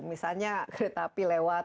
misalnya kereta api lewat